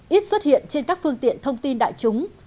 ít xuất hiện trên các phương tiện thông tin đại chúng